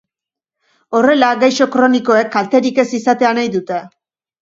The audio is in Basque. Horrela, gaixo kronikoek kalterik ez izatea nahi dute.